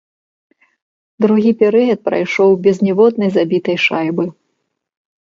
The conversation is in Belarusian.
Другі перыяд прайшоў без ніводнай забітай шайбы.